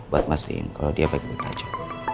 buat mastiin kalau dia baik baik aja